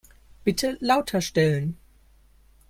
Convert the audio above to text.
Bitte lauter stellen.